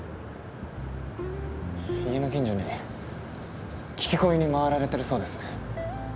家の近所に聞き込みに回られてるそうですね？